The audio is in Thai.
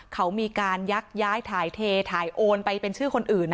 เขามีการยักย้ายถ่ายเทถ่ายโอนไปเป็นชื่อคนอื่น